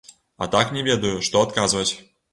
А так не ведаю, што адказваць.